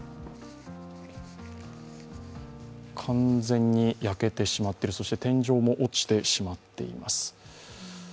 完全に焼けてしまっている、そして天井も落ちてしまっています。